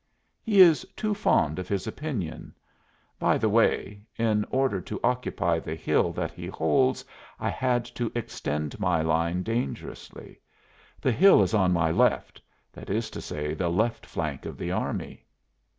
"He is too fond of his opinion. By the way, in order to occupy the hill that he holds I had to extend my line dangerously. The hill is on my left that is to say the left flank of the army."